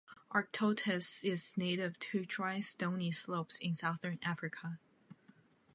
"Arctotis" is native to dry stony slopes in southern Africa.